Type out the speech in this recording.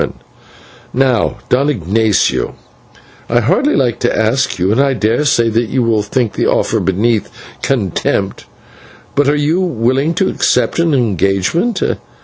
And now, Don Ignatio, I hardly like to ask you, and I daresay that you will think the offer beneath contempt, but are you willing to accept an engagement?